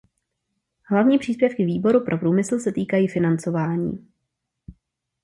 Hlavní příspěvky Výboru pro průmysl se týkají financování.